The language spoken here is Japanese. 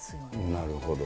なるほど。